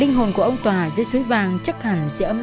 linh hồn của ông tòa dưới suối vàng chắc hẳn sẽ ấm mắt biết bao nhiêu